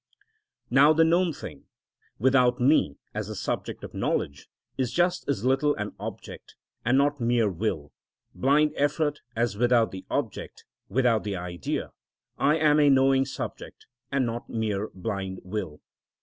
Now the known thing, without me as the subject of knowledge, is just as little an object, and not mere will, blind effort, as without the object, without the idea, I am a knowing subject and not mere blind will.